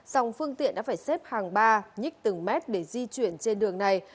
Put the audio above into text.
dòng phương tiện đã phải xếp hàng ba nhích từng mét để di chuyển trên đường này